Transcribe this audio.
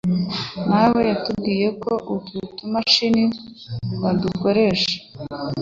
nawe yatubwiye ko utu tumashini badukoresha